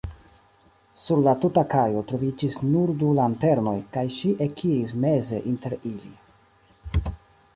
Sur la tuta kajo troviĝis nur du lanternoj, kaj ŝi ekiris meze inter ili.